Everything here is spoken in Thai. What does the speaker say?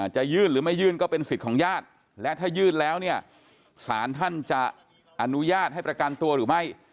จะยื่นหรือไม่ยื่นก็เป็นสิทธิ์ของญาติและถ้ายื่นแล้วเนี่ยสารท่านจะอนุญาตให้ประกันตัวหรือไม่